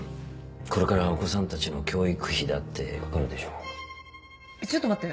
これからお子さんたちの教育費だってちょっと待って。